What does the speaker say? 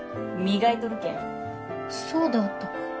そうであったか。